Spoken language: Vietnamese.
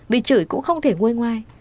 vì chửi cũng không thể nguôi ngoai